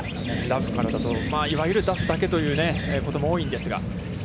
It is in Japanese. ラフからだと、いわゆる出すだけということも多いんですが。